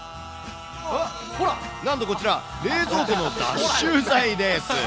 正解は、なんとこちら、冷蔵庫の脱臭剤です。